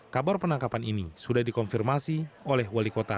kabar penangkapan ini sudah dikonfirmasi oleh wali kota